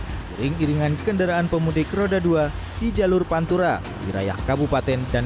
hai keringkirian kendaraan pemudik roda dua di jalur pantura dirayah kabupaten dan